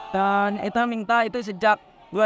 dan kita minta itu sejak dua ribu empat belas